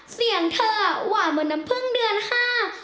เสียงเธอหวานเหมือนน้ำพึ่งเดือนห้า